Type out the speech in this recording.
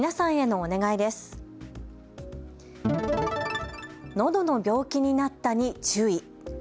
のどの病気になったに注意。